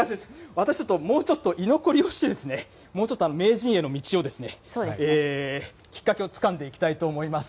私ちょっと、もうちょっと居残りをして、もうちょっと名人への道をですね、きっかけをつかんでいきたいと思います。